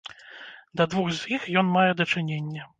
Да двух з іх ён мае дачыненне.